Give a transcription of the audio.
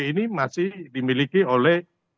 ini masih dimiliki oleh